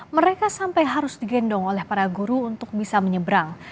mereka sampai harus digendong oleh para guru untuk bisa menyeberang